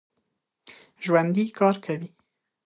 ژوندي کار کوي